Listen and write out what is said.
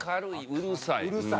「うるさい」？